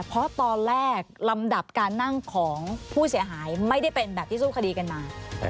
เพราะตอนแรกลำดับการนั่งของผู้เสียหายไม่ได้เป็นแบบที่สู้คดีกันมา